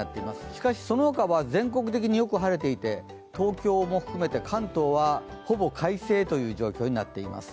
しかしそのほかは全国的によく晴れていて、東京も含めて関東はほぼ快晴という状況になっています。